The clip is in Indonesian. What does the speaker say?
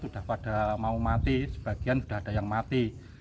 sudah pada mau mati sebagian sudah ada yang mati